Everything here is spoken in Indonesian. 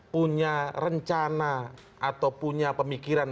punya rencana atau punya pemikiran